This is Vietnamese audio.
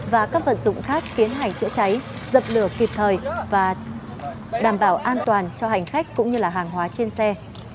và các vật dụng khác tiến hành chữa cháy dập lửa kịp thời và đảm bảo an toàn cho hành khách cũng như hàng hóa trên xe